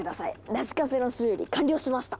ラジカセの修理完了しました！